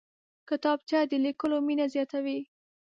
کتابچه د لیکلو مینه زیاتوي